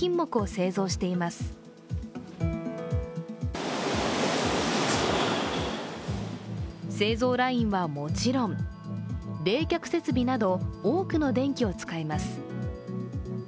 製造ラインはもちろん、冷却設備など、多くの電気を使います。